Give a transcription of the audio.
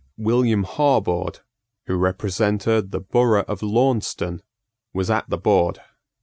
William Harbord, who represented the borough of Launceston, was at the board.